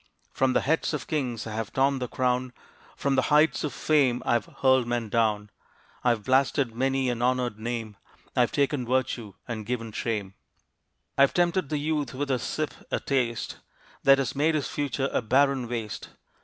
From the heads of kings I have torn the crown; From the heights of fame I have hurled men down. I have blasted many an honored name; I have taken virtue and given shame; I have tempted the youth with a sip, a taste, That has made his future a barren waste.